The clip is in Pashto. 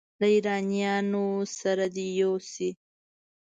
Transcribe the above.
له ایرانیانو سره دې یو شي.